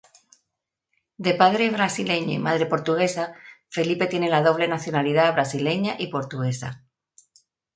De padre brasileño y madre portuguesa, Felipe tiene la doble nacionalidad brasileña y portuguesa.